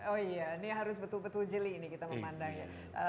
oh iya ini harus betul betul jeli ini kita memandangnya